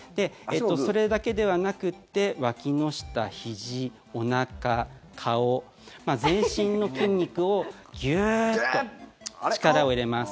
それだけではなくてわきの下、ひじ、おなか、顔全身の筋肉をギューッと力を入れます。